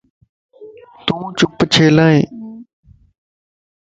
تون چپ ڇيلائين؟